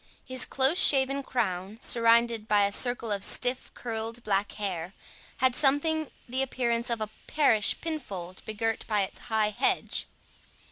His close shaven crown, surrounded by a circle of stiff curled black hair, had something the appearance of a parish pinfold begirt by its high hedge.